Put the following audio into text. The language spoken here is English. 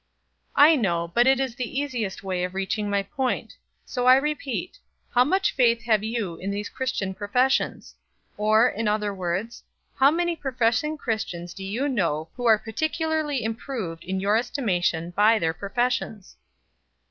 "I know; but it is the easiest way of reaching my point; so I repeat: How much faith have you in these Christian professions? or, in other words, how many professing Christians do you know who are particularly improved in your estimation by their professions?"